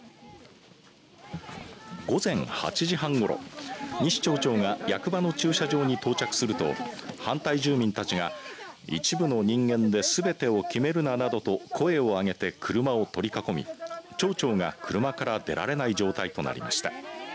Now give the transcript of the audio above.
午前８時半ごろ西町長が役場の駐車場に到着すると反対住民たちが一部の人間ですべてを決めるななどと声を上げて車を取り囲み町長が車から出られない状態となりました。